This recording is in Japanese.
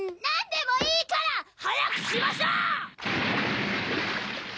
何でもいいから！早くしましょう！